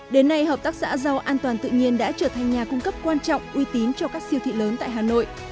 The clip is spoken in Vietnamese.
đến nay hợp tác xã rau an toàn tự nhiên đã trở thành nhà cung cấp quan trọng uy tín cho các siêu thị lớn tại hà nội